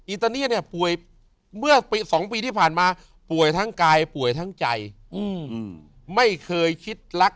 ตาเนียเนี่ยป่วยเมื่อ๒ปีที่ผ่านมาป่วยทั้งกายป่วยทั้งใจไม่เคยคิดรัก